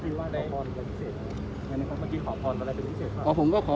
ปขรอนสิเศษใช่ไหมครับเมื่อกี้ขอพรอะไรเป็นพิเศษครับ